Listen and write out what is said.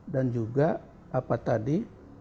dan juga apa tadi